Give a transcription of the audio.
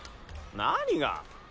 何が。